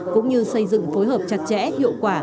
cũng như xây dựng phối hợp chặt chẽ hiệu quả